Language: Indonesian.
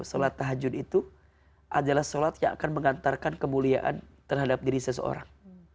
sholat tahajud itu adalah sholat yang akan mengantarkan kemuliaan terhadap diri seseorang